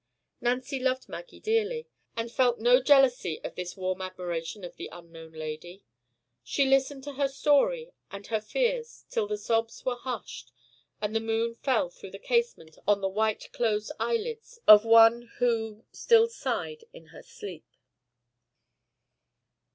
Nancy loved Maggie dearly, and felt no jealousy of this warm admiration of the unknown lady. She listened to her story and her fears till the sobs were hushed; and the moon fell through the casement on the white closed eyelids of one, who still sighed in her sleep.